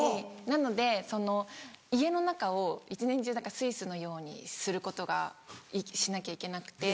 なので家の中を一年中スイスのようにすることが。しなきゃいけなくて。